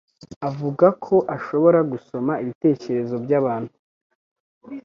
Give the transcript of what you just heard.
avuga ko ashobora gusoma ibitekerezo byabantu.